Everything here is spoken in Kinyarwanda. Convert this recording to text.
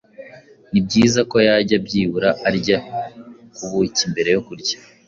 ni byiza ko yajya byibura arya ku buki mbere yo kurya